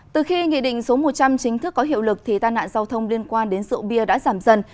từ khi nghị định số một trăm linh chính thức có hiệu lực thì tai nạn giao thông liên quan đến rượu bia đã giảm dần